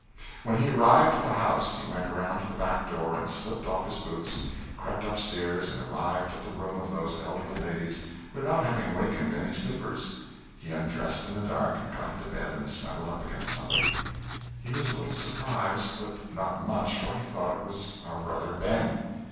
When he arrived at the house he went around to the back door and slipped off his boots and crept up stairs and arrived at the room of those elderly ladies without having wakened any sleepers. He undressed in the dark and got into bed and snuggled up against somebody. He was a little surprised, but not much for he thought it was our brother Ben.